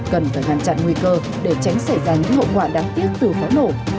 cần phải ngăn chặn nguy cơ để tránh xảy ra những hậu quả đáng tiếc từ pháo nổ